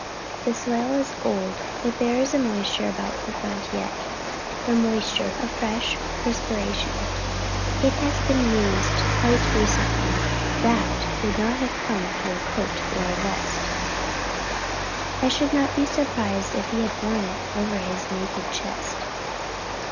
The soil is old, but there is a moisture about the front yet, the moisture of fresh perspiration it has been used quite recently. That would not have come through a coat or a vest. I should not be surprised if he had worn it over his naked chest."